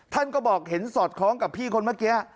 ท่านก็บอกเห็นสอดคล้องกับพี่คนเมื่อกี้